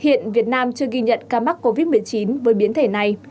hiện việt nam chưa ghi nhận ca mắc covid một mươi chín với biến thể này